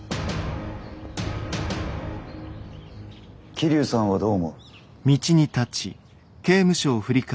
桐生さんはどう思う？